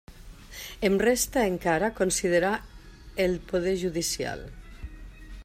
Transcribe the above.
Em resta encara considerar el poder judicial.